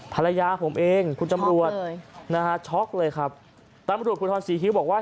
ภรรยาผมเองคุณจำลวทเลยนะฮะเลยครับตำลวดคุณทอนสีฮิ้วบอกว่า